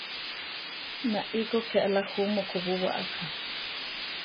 Nai kó ké ala jú mokobúwa aká.